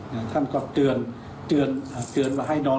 เนี่ยท่านก็เตือนเตือนเตือนว่าให้นอน